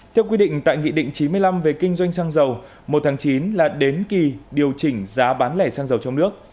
theo quy định tại nghị định chín mươi năm về kinh doanh xăng dầu một tháng chín là đến kỳ điều chỉnh giá bán lẻ xăng dầu trong nước